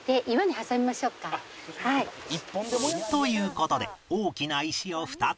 という事で大きな石を２つ置いて